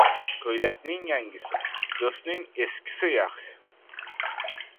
• Ko‘ylakning yangisi, do‘stning eskisi yaxshi.